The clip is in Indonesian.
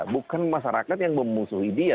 bukan masyarakat yang memusuhi dia